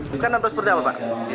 bukan atas perdama pak